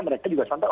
mereka juga santai